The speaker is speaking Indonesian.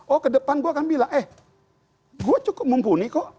oh ke depan gue akan bilang eh gue cukup mumpuni kok